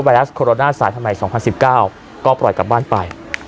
ไวรัสโคโรนาสายพันธุ์ใหม่สองพันสิบเก้าก็ปล่อยกลับบ้านไป